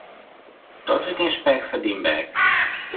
Dat is gjin spek foar dyn bek.